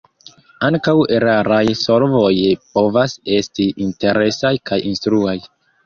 Ankaŭ eraraj solvoj povas esti interesaj kaj instruaj.